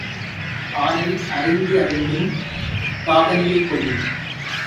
ஆனை அறிந்து அறிந்தும் பாகனையே கொல்லும்.